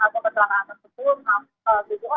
atau para korban yang lupa ringan